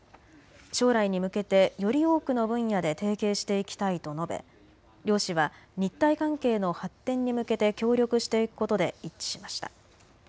将来に向けて、より多くの分野で提携していきたいと述べ両氏は日台関係の発展に向けて協力していくことで一致しました。